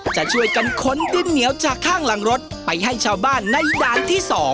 จะช่วยกันขนดินเหนียวจากข้างหลังรถไปให้ชาวบ้านในด่านที่๒